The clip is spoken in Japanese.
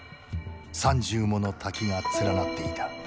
３０もの滝が連なっていた。